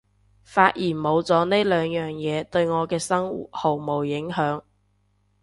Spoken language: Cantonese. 發現冇咗呢兩樣嘢對我嘅生活毫無影響